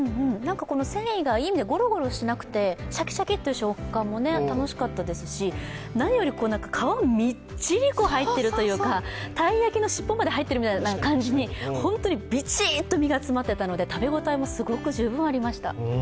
この繊維が、ゴロゴロしてなくてシャキシャキという食感も楽しかったですし、何より皮みっちり入っているというか鯛焼きの尻尾まで入っているみたいな感じでびちっと実が詰まっていたので、食べ応えもすごく十分ありました。